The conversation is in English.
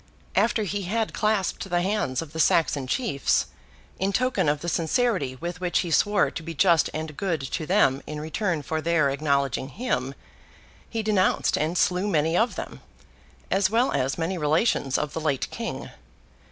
After he had clasped the hands of the Saxon chiefs, in token of the sincerity with which he swore to be just and good to them in return for their acknowledging him, he denounced and slew many of them, as well as many relations of the late King.